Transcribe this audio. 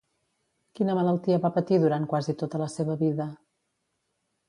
Quina malaltia va patir durant quasi tota la seva vida?